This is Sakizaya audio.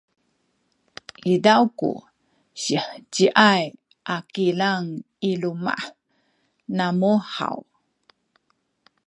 izaw ku siheciay a kilang i luma’ namu haw?